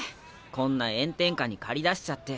こんな炎天下に駆り出しちゃって。